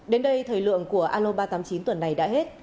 đến đây thời lượng của aloba tám mươi chín tuần này đã hết